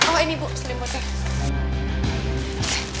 oh ini bu selimutnya